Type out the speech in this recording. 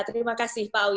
terima kasih pak awi